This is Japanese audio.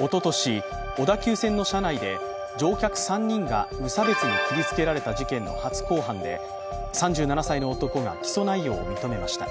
おととし、小田急線の車内で乗客３人が無差別に切りつけられた事件の初公判で３７歳の男が起訴内容を認めました。